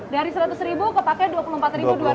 dari seratus ribu ke paknya dua puluh empat ribu dua ratus